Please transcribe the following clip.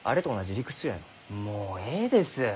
もうえいです。